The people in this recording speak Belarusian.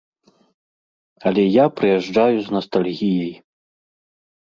Але я прыязджаю з настальгіяй.